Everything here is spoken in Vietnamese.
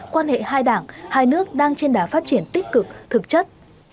quan hệ hai đảng hai nước đang trên đá phát triển tích cực thực chất